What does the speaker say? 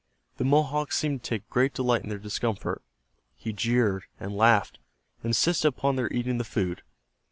The Mohawk seemed to take great delight in their discomfort. He jeered, and laughed, and insisted upon their eating the food.